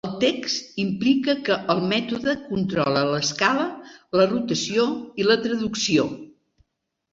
El text implica que el mètode controla l'escala, la rotació i la traducció.